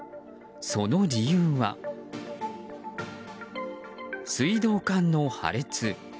その理由は水道管の破裂。